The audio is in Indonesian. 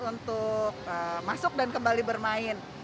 untuk masuk dan kembali bermain